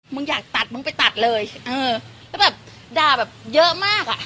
มึงอยากตัดมึงไปตัดเลยเออแล้วแบบด่าแบบเยอะมากอ่ะ